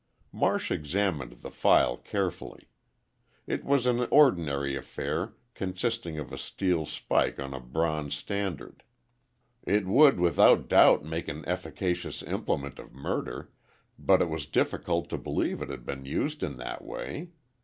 Marsh examined the file carefully. It was an ordinary affair consisting of a steel spike on a bronze standard. It would without doubt make an efficacious implement of murder, but it was difficult to believe it had been used in that way.